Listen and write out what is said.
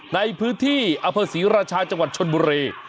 ในพื้นที่อำเภอศรีราชาจังหวัดชนบุรี